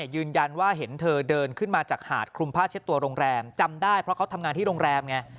ยืนยันว่าเห็นเธอเดินขึ้นมาจากหาดคลุมผ้าเช็ดตัวโรงแรมจำได้เพราะเขาทำงานที่โรงแรมไง